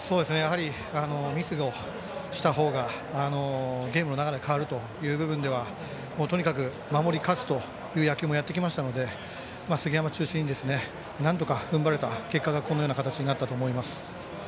ミスをした方がゲームの流れ変わるという部分ではとにかく守り勝つという野球もやってきましたので杉山中心になんとか踏ん張れたその結果がこのような形になったと思います。